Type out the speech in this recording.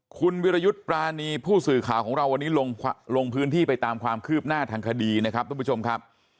คุณวิรยุทธ์ปรานีผู้สื่อข่าวของเราวันนี้ลงพื้นที่ไปตามความคืบหน้าทางคดีนะครับทุกผู้ชมครับ